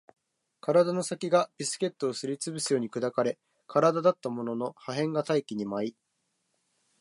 体の先がビスケットをすり潰すように砕かれ、体だったものの破片が大気に舞い